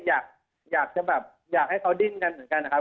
อยากให้เขาดิ้นกันเหมือนกันนะครับ